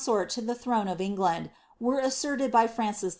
181 coiuort to the throne of England, were asserted by Francis II.